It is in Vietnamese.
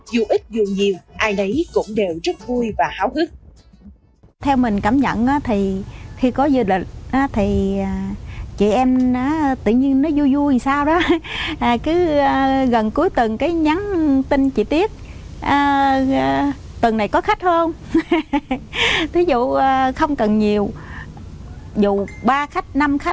dù ít dù nhiều ai đấy cũng đều rất vui và háo hức